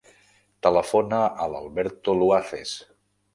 Telefona a l'Alberto Luaces.